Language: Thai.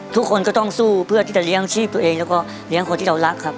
ทุกคนก็ต้องสู้เพื่อที่จะเลี้ยงชีพตัวเองแล้วก็เลี้ยงคนที่เรารักครับ